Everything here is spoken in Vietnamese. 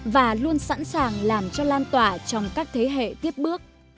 và luôn sẵn sàng làm cho lan tỏa trong các thế hệ tiếp bước